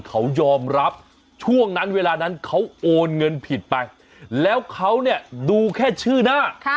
เขายอมรับช่วงนั้นเวลานั้นเขาโอนเงินผิดไปแล้วเขาเนี่ยดูแค่ชื่อหน้า